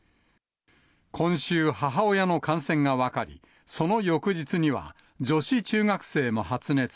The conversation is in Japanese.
今週、母親の感染が分かり、その翌日には女子中学生も発熱。